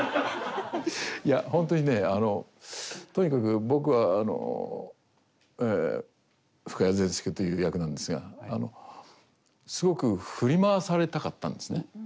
いや本当にねあのとにかく僕は深谷善輔という役なんですがすごく振り回されたかったんですね。